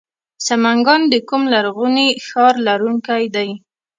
سمنګان د کوم لرغوني ښار لرونکی دی؟